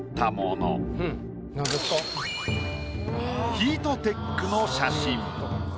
「ヒートテック」の写真。